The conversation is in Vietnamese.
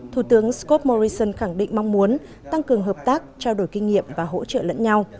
thủ tướng scott morrison khẳng định mong muốn tăng cường hợp tác trao đổi kinh nghiệm và hỗ trợ lẫn nhau